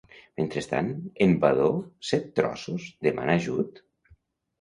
Mentrestant, en Vadó Set-trossos demanava ajut?